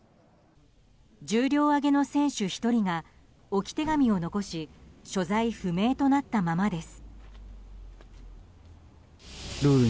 重量挙げの選手１人が置き手紙を残し所在不明となったままです。